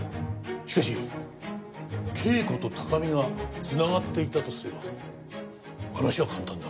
しかし啓子と高見が繋がっていたとすれば話は簡単だ。